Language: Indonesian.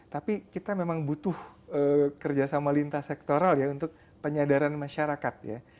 tapi kita memang butuh kerjasama lintas sektoral ya untuk penyadaran masyarakat ya